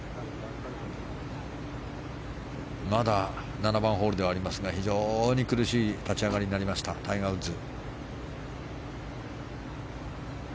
まだ７番ホールではありますが非常に苦しい立ち上がりになったタイガー・ウッズ。